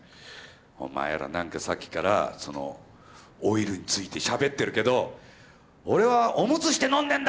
「お前らなんかさっきから老いるについてしゃべってるけど俺はおむつして飲んでんだ！」